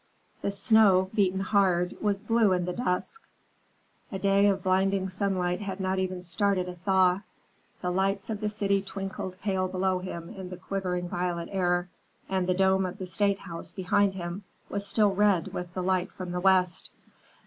The snow, beaten hard, was blue in the dusk; a day of blinding sunlight had not even started a thaw. The lights of the city twinkled pale below him in the quivering violet air, and the dome of the State House behind him was still red with the light from the west.